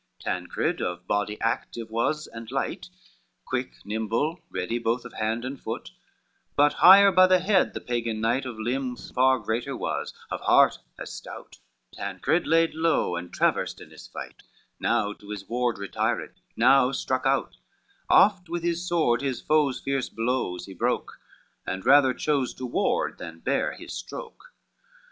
XI Tancred of body active was and light, Quick, nimble, ready both of hand and foot; But higher by the head, the Pagan knight Of limbs far greater was, of heart as stout: Tancred laid low and traversed in his fight, Now to his ward retired, now struck out, Oft with his sword his foe's fierce blows he broke, And rather chose to ward than bear his stroke.